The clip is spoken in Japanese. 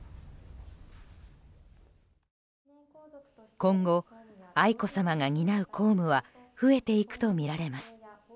今後、愛子さまが担う公務は増えていくとみられます。